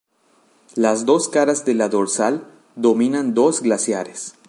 Las dos caras de la dorsal dominan dos glaciares.